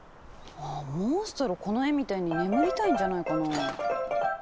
あぁモンストロこの絵みたいに眠りたいんじゃないかな。